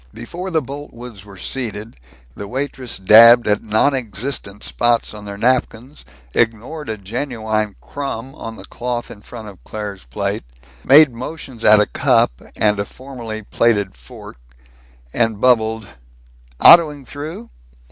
Before the Boltwoods were seated, the waitress dabbed at non existent spots on their napkins, ignored a genuine crumb on the cloth in front of Claire's plate, made motions at a cup and a formerly plated fork, and bubbled, "Autoing through?"